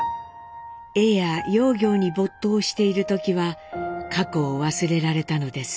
絵や窯業に没頭している時は過去を忘れられたのです。